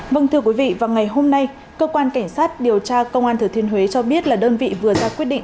vâng thưa quý vị vào ngày hôm nay cơ quan cảnh sát điều tra công an thừa thiên huế cho biết là đơn vị vừa ra quyết định